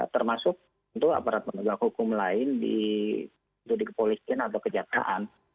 termasuk untuk aparat menegak hukum lain di kepolisian atau kejataan